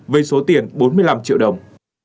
với số tiền bốn mươi năm triệu đồng